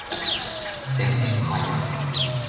頂你個肺呀！